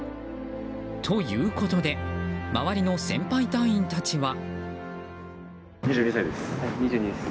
ということで周りの先輩隊員たちは。